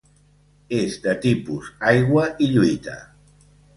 És de tipus aigua i lluita.